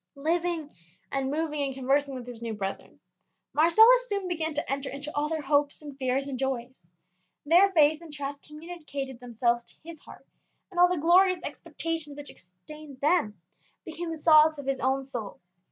Living and moving and conversing with his new brethren, Marcellus soon began to enter into all their hopes and fears and joys. Their faith and trust communicated themselves to his heart, and all the glorious expectations which sustained them became the solace of his own soul.